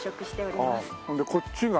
ほんでこっちが？